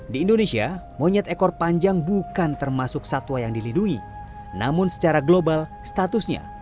di indonesia monyet ekor panjang bukan termasuk satwa yang dilindungi namun secara global statusnya